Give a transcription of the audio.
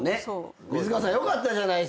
水川さんよかったじゃない！